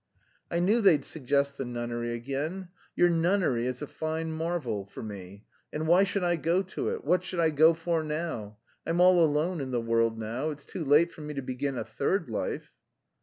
"I knew they'd suggest the nunnery again. Your nunnery is a fine marvel for me! And why should I go to it? What should I go for now? I'm all alone in the world now. It's too late for me to begin a third life."